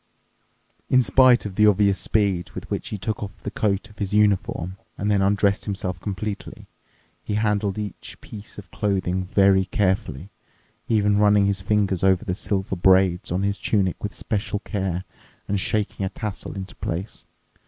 In spite of the obvious speed with which he took off the coat of his uniform and then undressed himself completely, he handled each piece of clothing very carefully, even running his fingers over the silver braids on his tunic with special care and shaking a tassel into place.